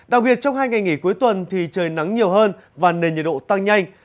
đặc biệt trong hai ngày nghỉ cuối tuần thì trời nắng nhiều hơn và nền nhiệt độ tăng nhanh